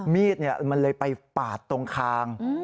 มีดมันเลยไปปาดตรงคาง